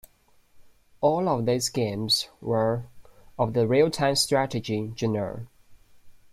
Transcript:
All of these games were of the real-time strategy genre.